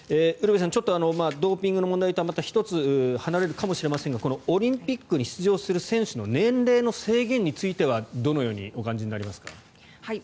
ウルヴェさんドーピングの問題とは１つ離れるかもしれませんがこのオリンピックに出場する選手の年齢の制限についてはどのようにお感じになりますか？